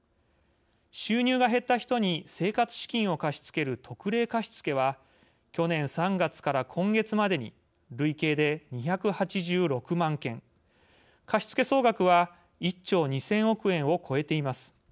収入が減った人に生活資金を貸し付ける特例貸付は去年３月から今月までに累計で２８６万件貸付総額は１兆２０００億円を超えています。